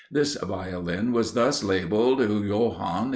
This Violin was thus labelled, "Joann.